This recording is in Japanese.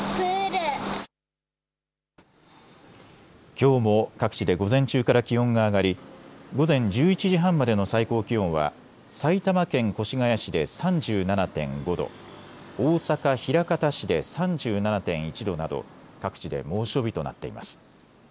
きょうも各地で午前中から気温が上がり午前１１時半までの最高気温は埼玉県越谷市で３７．５度、大阪枚方市で３７．１度など各地で猛暑日となっています。